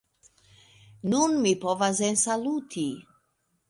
Nun mi povas ensaluti